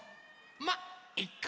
まっいっか！